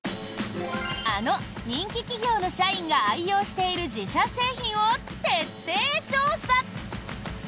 あの人気企業の社員が愛用している自社製品を徹底調査。